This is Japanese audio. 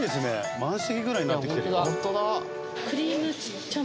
満席ぐらいになってきてるよ